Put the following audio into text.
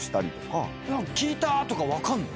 効いた！とか分かるの？